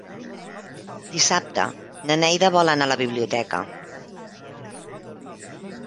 Dissabte na Neida vol anar a la biblioteca.